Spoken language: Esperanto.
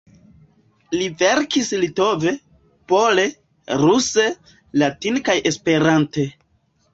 Li verkadis litove, pole, ruse, latine kaj Esperante.